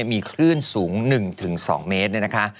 มีคลื่นสูง๑๒เมตร